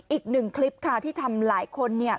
อีกหนึ่งคลิปค่ะที่ทำหลายคนเนี่ย